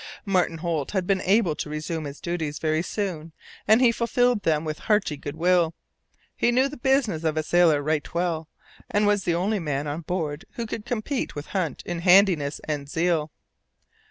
Martin Holt had been able to resume his duties very soon, and he fulfilled them with hearty good will. He knew the business of a sailor right well, and was the only man on board who could compete with Hunt in handiness and zeal.